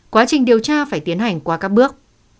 quá trình điều tra phải tiến hành qua các bước